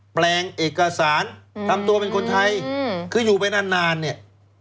แปลงเอกสารทำตัวเป็นคนไทยคืออยู่ไปนานนานเนี่ย